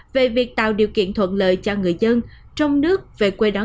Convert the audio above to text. về việc tạo điều kiện thuận lợi cho người dân trong nước về quê đó